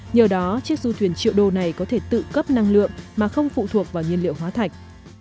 nhờ đó chiếc du thuyền triệu đô này có thể tự cấp năng lượng mà không phụ thuộc vào nhiên liệu hóa thạch